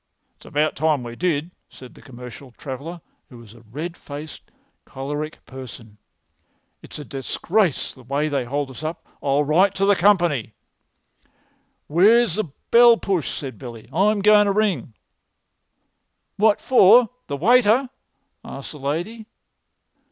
"It's about time we did," said the commercial traveller, who was a red faced, choleric person. "It's a disgrace the way they hold us up. I'll write to the company." "Where's the bell push?" said Billy. "I'm goin' to ring." "What for—the waiter?" asked the lady.